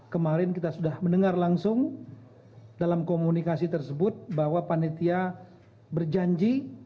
kemarin kita sudah mendengar langsung dalam komunikasi tersebut bahwa panitia berjanji